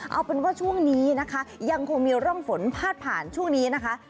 เอาเป็นว่าช่วงนี้นะคะยังคงมีร่องฝนพาดผ่านช่วงนี้นะคะ